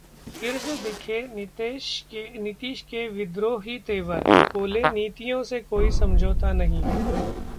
फिर से दिखे नीतीश के विद्रोही तेवर, बोले- नीतियों से कोई समझौता नहीं